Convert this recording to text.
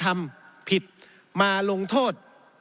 และไม่สามารถเอาคนที่มีส่วนช่วยเหลือคนกระทำผิดมาลงโทษ